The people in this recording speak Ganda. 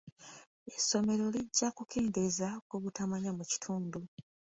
Essomero lijja kukendeeza ku butamanya mu kitundu.